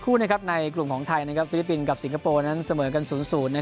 วันนี้คู่ในกลุ่มของไทยฟิลิปปินส์กับสิงคโปร์เสมอกันศูนย์